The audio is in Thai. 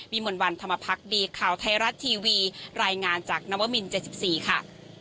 มนต์วันธรรมพักดีข่าวไทยรัฐทีวีรายงานจากนวมิน๗๔ค่ะ